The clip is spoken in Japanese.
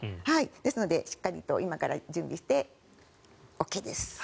ですのでしっかりと今から準備しておきたいです。